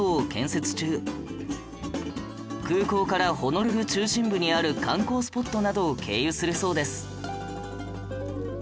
空港からホノルル中心部にある観光スポットなどを経由するそうです